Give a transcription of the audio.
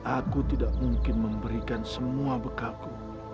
aku tidak mungkin memberikan semua bekalku